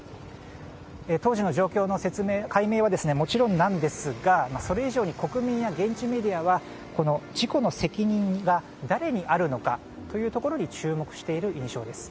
当時の状況の解明はもちろんなんですがそれ以上に国民や現地メディアがこの事故の責任が誰にあるのかというところに注目している印象です。